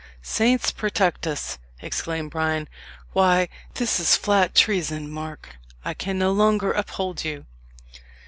"Saints protect us!" exclaimed Bryan. "Why, this is flat treason. Mark, I can no longer uphold you."